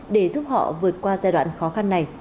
để giúp họ vượt qua giai đoạn khó khăn này